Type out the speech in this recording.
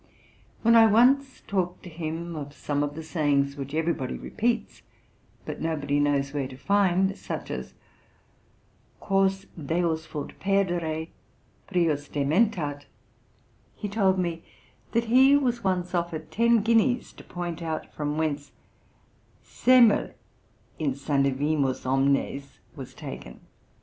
When I once talked to him of some of the sayings which every body repeats, but nobody knows where to find, such as Quos DEUS vult perdere, prius dementat; he told me that he was once offered ten guineas to point out from whence Semel insanivimus omnes was taken.